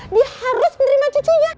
dia harus menerima cucunya